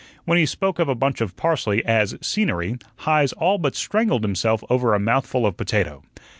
When he spoke of a bunch of parsley as "scenery," Heise all but strangled himself over a mouthful of potato.